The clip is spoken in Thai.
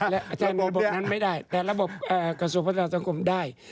และอาจารย์ระบบนั้นไม่ได้แต่ระบบกระทรวงพัฒนาสังคมได้